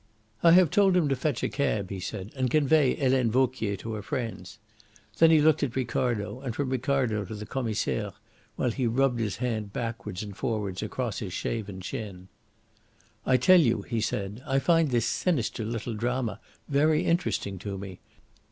"I have told him to fetch a cab," he said, "and convey Helene Vauquier to her friends." Then he looked at Ricardo, and from Ricardo to the Commissaire, while he rubbed his hand backwards and forwards across his shaven chin. "I tell you," he said, "I find this sinister little drama very interesting to me.